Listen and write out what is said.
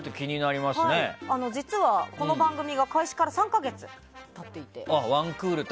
実はこの番組が開始から３か月経っていて。